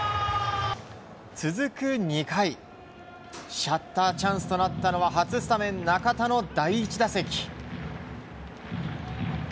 続く２回チャッターチャンスとなったのは初スタメンの中田の第１打席。